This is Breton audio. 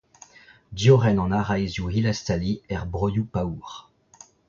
Diorren an araezioù hilastaliñ er broioù paour.